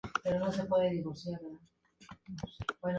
Tuvo participación en dos partidos, entrando de cambio en ambas ocasiones.